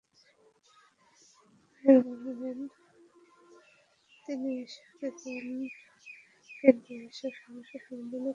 Mayor বললেন, তিনি সচেতন, কিন্তু এসব সমস্যার সমাধান করা খুব কঠিন।